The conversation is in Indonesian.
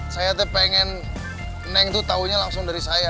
saya pak ingin nek tahu langsung dari saya